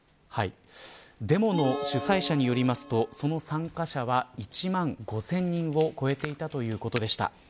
デモの主催者によりますとその参加者は１万５０００人を超えていたということでした。